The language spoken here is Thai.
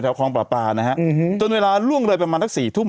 แถวคลองปลานะฮะจนเวลาล่วงเลยประมาณทั้งสี่ทุ่ม